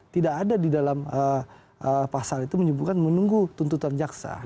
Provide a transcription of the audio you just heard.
tidak ada di dalam pasal itu menyebutkan menunggu tuntutan jaksa